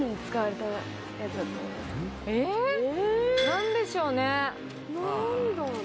なんでしょうね？